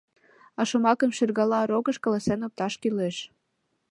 А шомакым шӱгарла рокыш каласен опташ кӱлеш.